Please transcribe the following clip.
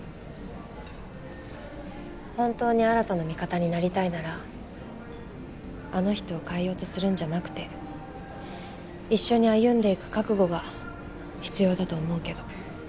本当に新の味方になりたいならあの人を変えようとするんじゃなくて一緒に歩んでいく覚悟が必要だと思うけど。